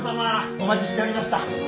お待ちしておりました。